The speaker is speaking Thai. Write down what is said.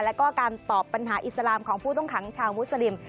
แล้วก็การตอบปัญหาอิสลามของผู้ต้องขังชาวมุสลิม